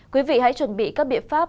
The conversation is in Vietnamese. quý vị hãy chuẩn bị các biện pháp